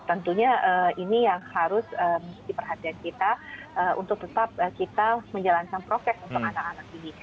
tentunya ini yang harus menjadi perhatian kita untuk tetap kita menjalankan prokes untuk anak anak ini